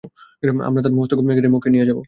আমরা তার মস্তক কেটে মক্কায় নিয়ে যাব।